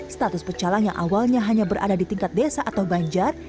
status pecalang yang awalnya hanya berada di tingkat desa atau banjar